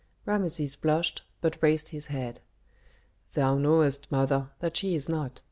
Rameses blushed, but raised his head. "Thou knowest, mother, that she is not.